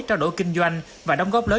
trao đổi kinh doanh và đóng góp lớn